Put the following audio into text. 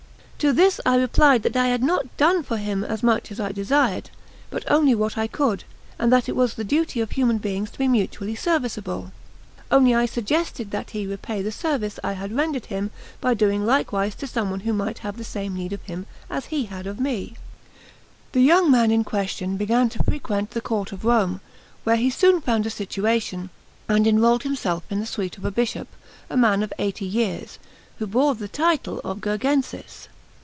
To this I replied that I had not done for him as much as I desired, but only what I could, and that it was the duty of human beings to be mutually serviceable. Only I suggested that he should repay the service I had rendered him by doing likewise to some one who might have the same need of him as he had had of me. The young man in question began to frequent the Court of Rome, where he soon found a situation, and enrolled himself in the suite of a bishop, a man of eighty years, who bore the title of Gurgensis.